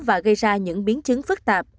và gây ra những biến chứng phức tạp